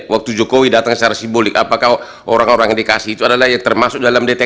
waktu jokowi datang secara simbolik apakah orang orang yang dikasih itu adalah yang termasuk dalam dtk